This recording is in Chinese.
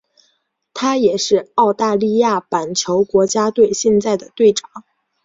他也是澳大利亚板球国家队现在的队长。